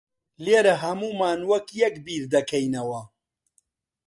لێرە ھەموومان وەک یەک بیردەکەینەوە.